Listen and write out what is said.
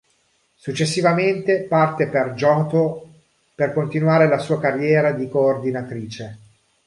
Successivamente parte per Johto per continuare la sua carriera di coordinatrice.